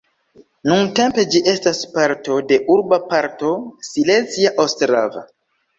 Nuntempe ĝi estas parto de urba parto Silezia Ostrava.